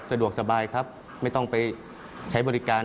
สะดวกสบายครับไม่ต้องไปใช้บริการ